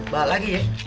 bapak lagi ya